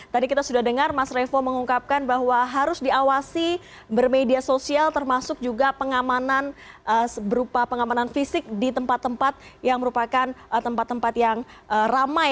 tadi kita sudah dengar mas revo mengungkapkan bahwa harus diawasi bermedia sosial termasuk juga pengamanan berupa pengamanan fisik di tempat tempat yang merupakan tempat tempat yang ramai